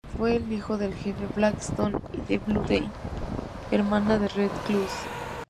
Fue hijo del jefe "Black Stone" y de "Blue Day", hermana de Red Cloud.